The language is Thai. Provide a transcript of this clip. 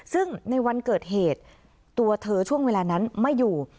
ซึ่งในวันเกิดเหตุตัวเธอช่วงเวลานั้นไม่อยู่